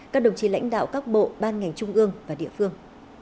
các đồng chí lãnh đạo các bộ ban ngành trung ương và địa phương